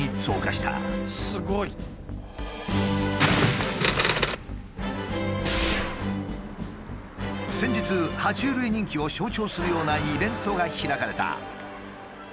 すごい！先日は虫類人気を象徴するようなイベントが開かれた。